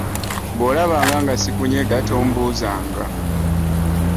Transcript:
Bw'olabanga nga sikunyega tobuuzanga.